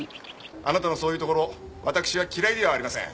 あなたのそういうところ私は嫌いではありません。